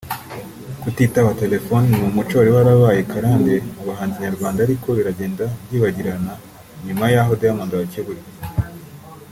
Kutitaba telefone ni umuco wari warabaye karande mu bahanzi nyarwanda ariko biragenda byibagirana nyuma y’aho Diamond abakeburiye